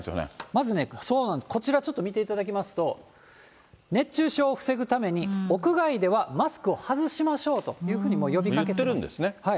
まずね、こちらちょっと見ていただきますと、熱中症を防ぐために、屋外ではマスクを外しましょうというふうに呼びかけています。